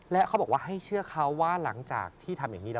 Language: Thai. และเขาบอกว่าให้เชื่อเขาว่าหลังจากที่ทำอย่างนี้แล้ว